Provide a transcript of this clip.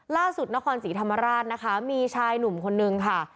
ล่าสุดนครศรีธรรมราชนะคะมีชายหนุ่มคนนึงค่ะ